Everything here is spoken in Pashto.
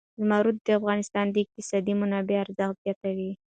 زمرد د افغانستان د اقتصادي منابعو ارزښت زیاتوي.